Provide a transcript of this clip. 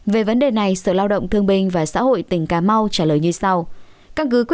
về vấn đề này sở lao động thương binh và xã hội tỉnh cà mau trả lời như sau